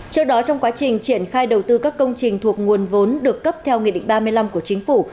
trước đó trong quá trình triển khai đầu tư các công trình thuộc nguồn vốn được cấp theo nghị định ba mươi năm của chính phủ